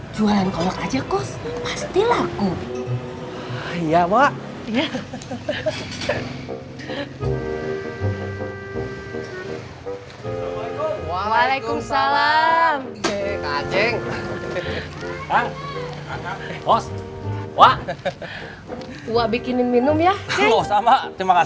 jualan kolok aja kos pasti lagu iya mak